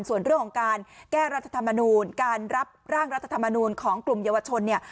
ส่วนเรื่องของการแก้รัฐธรรมนูลการรับร่างรัฐธรรมนูลของกลุ่มเยาวชนเนี่ย